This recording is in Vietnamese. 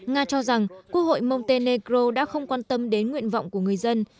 nga cho rằng quốc hội montenegro đã không quan tâm đến nguyện vọng của người dân